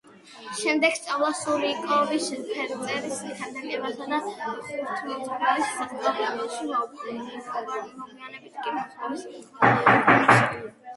შემდეგ სწავლა სურიკოვის ფერწერის, ქანდაკებისა და ხუროთმოძღვრების სასწავლებელში, მოგვიანებით კი მოსკოვის სახალხო კონსერვატორია.